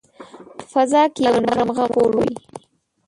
په فضا کې یو نرم غم خپور وي